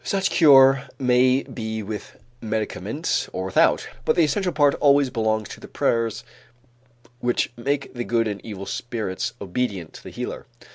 Such cure may be with medicaments or without, but the essential part always belongs to the prayers which make the good and evil spirits obedient to the healer.